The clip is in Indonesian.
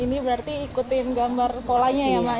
ini berarti ikutin gambar polanya ya mak ya